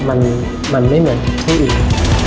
มันไม่เหมือนที่อื่น